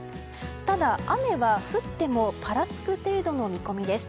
ただ、雨は降ってもぱらつく程度の見込みです。